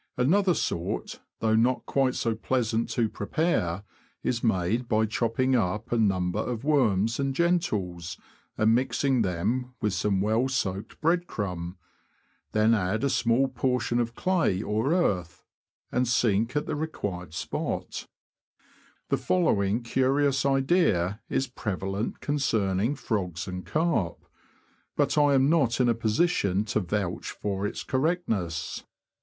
Another sort, though not quite so pleasant to prepare, is made by chopping up a number of worms and gentles, and mixing them with some well soaked breadcrumb ; then add a small portion of clay or earth, and sink at the required spot. 288 THE LAND OF THE BROADS. The following curious idea is prevalent concerning frogs and carp, but I am not in a position to vouch for its correctness.